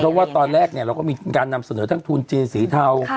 เพราะว่าตอนแรกเราก็มีการนำเสนอทั้งทุนจีนสีเทา